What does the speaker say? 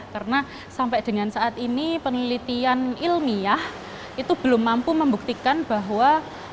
karena sampai dengan saat ini penelitian ilmiah itu belum mampu membuktikan bahwa